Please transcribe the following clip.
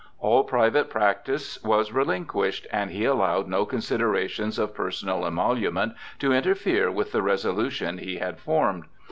All private practice was relin quished, and he allowed no considerations of personal emolument to interfere with the resolution he had formed.